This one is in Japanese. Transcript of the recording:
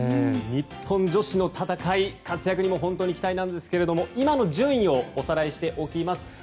日本女子の戦い、活躍にも本当に期待なんですが今の順位をおさらいしておきます。